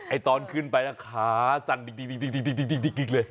ตอนขึ้นไปขาสั่นดิกเลย